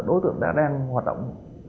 đối tượng đã đang hoạt động